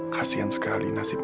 kasian sekali nasibnya